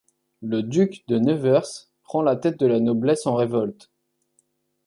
Le duc de Nevers prend la tête de la noblesse en révolte.